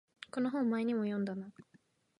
この本前にも読んだな